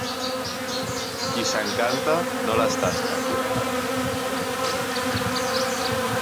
Qui s'encanta no les tasta.